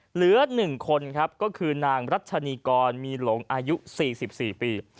เหลือ๑คนครับก็คือนางรัชนีกรมีหลงอายุ๔๔ปี